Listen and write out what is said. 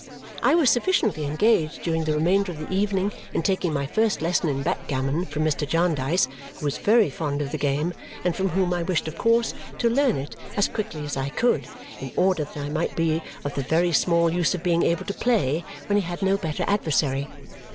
I was sufficiently engaged during the remainder of the evening in taking my first lesson in backgammon from Mr. Jarndyce, who was very fond of the game and from whom I wished of course to learn it as quickly as I could in order that I might be of the very small use of being able to play when he had no better adversary.